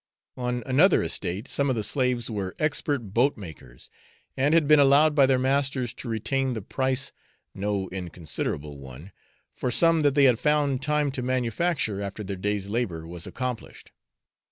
On another estate, some of the slaves were expert boat makers, and had been allowed by their masters to retain the price (no inconsiderable one) for some that they had found time to manufacture after their day's labour was accomplished.